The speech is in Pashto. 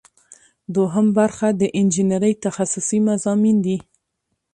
دوهم برخه د انجنیری تخصصي مضامین دي.